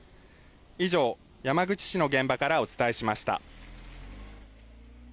以上、山口市の現場からお伝えしました。